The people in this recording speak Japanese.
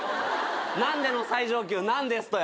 「何で」の最上級「何ですと」や。